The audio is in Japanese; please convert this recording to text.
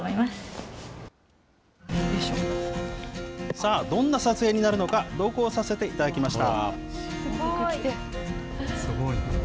さあ、どんな撮影になるのか、同行させていただきました。